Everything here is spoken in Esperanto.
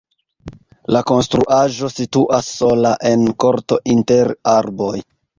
La konstruaĵo situas sola en korto inter arboj.